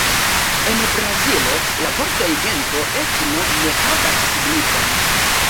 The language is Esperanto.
En Brazilo la vortoj gento, etno ne havas signifon.